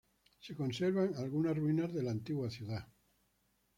Se conservan algunas ruinas de la antigua ciudad.